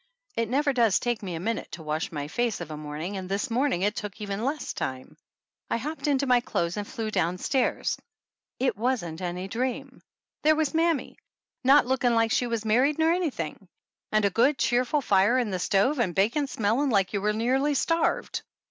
It never does take me a minute to wash my face of a morning, and this morning it took even less time. I hopped into my clothes and flew down stairs. It wasn't any dream! 97 THE ANNALS OF ANN There was mammy, not looking like she was mar ried nor anything, and a good, cheerful fire in the stove, and the bacon smelling like you were nearly starved.